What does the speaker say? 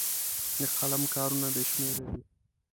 د قلم کارونه بې شمېره دي.